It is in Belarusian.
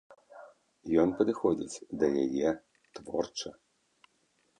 Ён падыходзіць да яе творча.